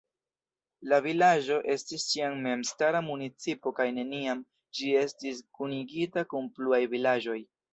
La vilaĝo estis ĉiam memstara municipo kaj neniam ĝi estis kunigita kun pluaj vilaĝoj.